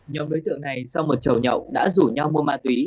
nhóm đối tượng này sau một chậu nhậu đã rủ nhau mua ma túy